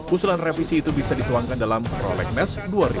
usulan revisi itu bisa dituangkan dalam projek nes dua ribu delapan belas